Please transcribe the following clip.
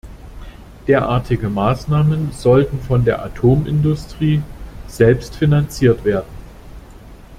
Derartige Maßnahmen sollten von der Atomindustrie selbst finanziert werden.